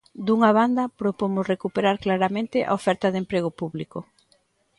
Dunha banda, propomos recuperar claramente a oferta de emprego público.